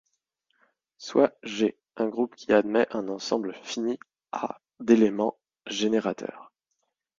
Soit G un groupe qui admet un ensemble fini A d'éléments générateurs.